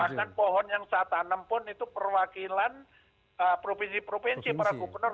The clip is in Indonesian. bahkan pohon yang saya tanam pun itu perwakilan provinsi provinsi para gubernur